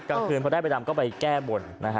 กลางคืนเขาได้ใบดำก็ไปแก้บน